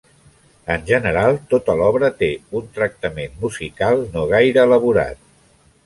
En general tota l'obra té un tractament musical no gaire elaborat.